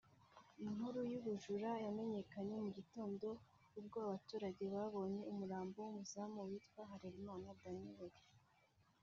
Inkuru y’ubu bujura yamenyekanye mu gitondo ubwo abaturage babonye umurambo w’muzamu witwa Halerimana Daniel